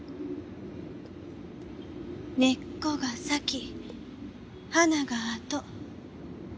根っこが先花があと。